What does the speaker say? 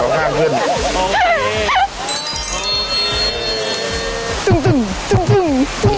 ข้างข้างขึ้น